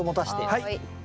はい。